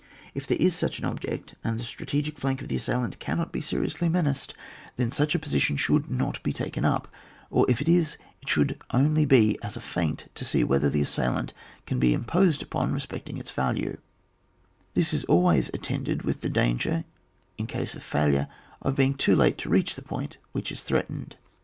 If there is such an object, and the strategic fiank of the assailant cannot be seriously menaced, then such position should not be taken up, or if it is it should only be as a feint to see whether the assailant can be im posed upon respecting its value ; this is always attended with the danger, in case of failure, of being too late to reach the point which is threatened.